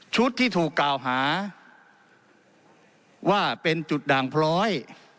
ที่ถูกกล่าวหาว่าเป็นจุดด่างพล้อย